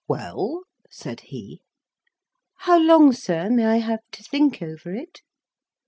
"Well?" said he. "How long, sir, may I have to think over it?"